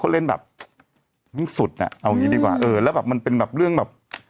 เขาเล่นแบบไม่สุดอ่ะเอางี้ดีกว่าเออแล้วแบบมันเป็นแบบเรื่องแบบ